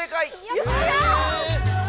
よっしゃ！